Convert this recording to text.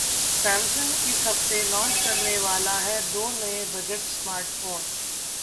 Samsung इस हफ्ते launch करने वाला है दो नए बजट स्मार्टफोन